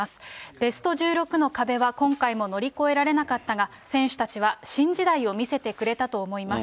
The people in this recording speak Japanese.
ベスト１６の壁は今回も乗り越えられなかったが、選手たちは新時代を見せてくれたと思います。